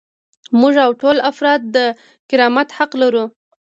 موږ او ټول افراد د کرامت حق لرو.